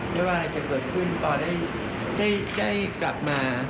ไม่ว่าอะไรจะเกิดขึ้นปอได้กลับมา